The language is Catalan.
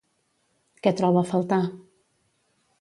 Què troba a faltar?